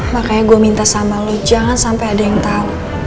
makanya gue minta sama lo jangan sampai ada yang tahu